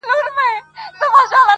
څارنوال ودغه راز ته نه پوهېږي-